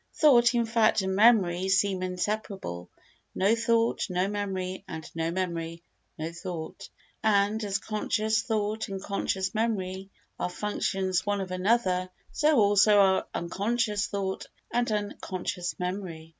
Thought, in fact, and memory seem inseparable; no thought, no memory; and no memory, no thought. And, as conscious thought and conscious memory are functions one of another, so also are unconscious thought and unconscious memory.